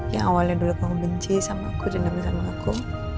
yang awalnya dulu kamu benci sama aku jenanda benci sama aku